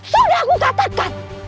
sudah aku katakan